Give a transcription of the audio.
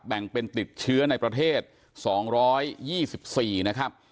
แบ่งเป็นติดเชื้อในประเทศสองร้อยยี่สิบสี่นะครับ